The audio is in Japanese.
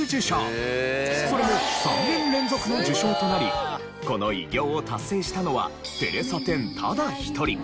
それも３年連続の受賞となりこの偉業を達成したのはテレサ・テンただ一人。